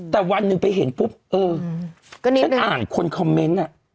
แต่วันหนึ่งไปเห็นปุ๊บเออฉันอ่านคนคอมเมนต์อ่ะ